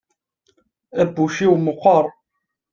abbuc-iw meqqer